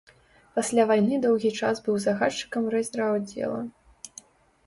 Пасля вайны доўгі час быў загадчыкам райздраўаддзела.